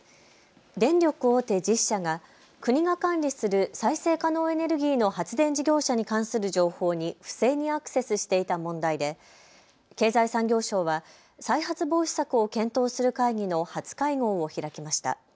電力大手１０社が国が管理する再生可能エネルギーの発電事業者に関する情報に不正にアクセスしていた問題で経済産業省は再発防止策を検討する会議の初会合を開きました。